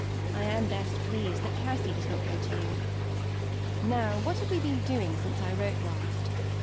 I am best pleased that Cassy does not go to you. Now, what have we been doing since I wrote last?